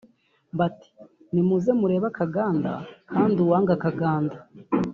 bati ’’Nimuze murebe akaganda; Kandi uwanga akaganda